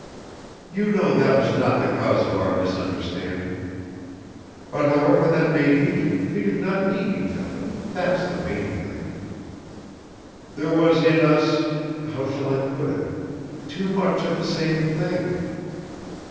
"You know that was not the cause of our misunderstanding. But however that may be, we did not need each other, that's the main thing; there was in us ... how shall I put it? ... too much of the same thing.